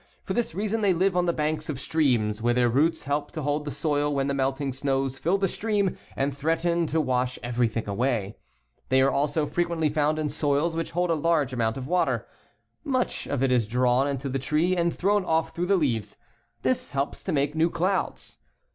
For this reason they live on the banks of streams, where their roots help to hold the soil when the melting snows fill the stream and threaten to wash every thing away. They also are frequently found in soils which hold a large amount of water. Much of it is drawn into the tree and thrown off through the leaves. This helps to make new clouds.